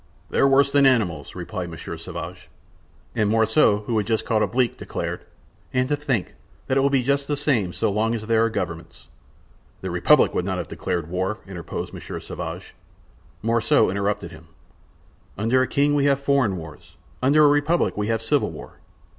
"They're worse than animals," replied Monsieur Sauvage. And Morissot, who had just caught a bleak, declared: "And to think that it will be just the same so long as there are governments!" "The Republic would not have declared war," interposed Monsieur Sauvage. Morissot interrupted him: "Under a king we have foreign wars; under a republic we have civil war."